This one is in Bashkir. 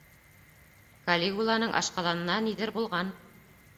Калигуланың ашҡаҙанына ниҙер булған.